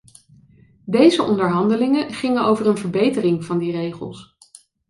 Deze onderhandelingen gingen over een verbetering van die regels.